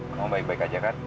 memang baik baik aja kan